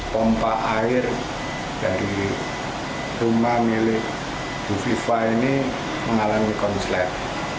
pompa air dari rumah milik bufifa ini mengalami korslet